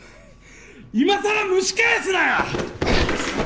今さら蒸し返すなよ！